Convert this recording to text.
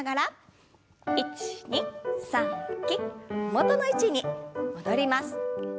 元の位置に戻ります。